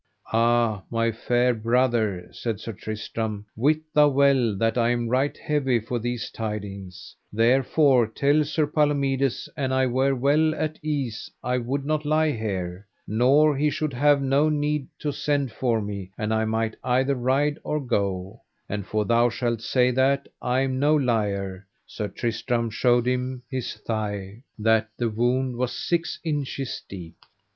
Ah, my fair brother, said Sir Tristram, wit thou well that I am right heavy for these tidings; therefore tell Sir Palomides an I were well at ease I would not lie here, nor he should have no need to send for me an I might either ride or go; and for thou shalt say that I am no liar—Sir Tristram showed him his thigh that the wound was six inches deep.